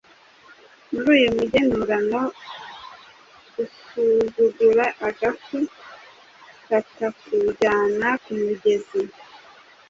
Muri uyu mugenurano: “Usuzugura agafu kakakujyana ku mugezi”